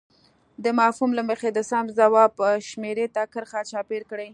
د مفهوم له مخې د سم ځواب شمیرې ته کرښه چاپېر کړئ.